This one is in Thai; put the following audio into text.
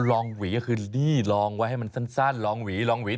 ลองหวีก็คือดี้ลองไว้ให้มันสั้นลองหวีลองหวี